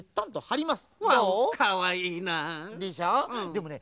でもね